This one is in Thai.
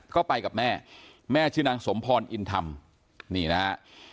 ก็ไปกับแม่แม่ชื่อนางสมพรอินธรรมนี่นะฮะ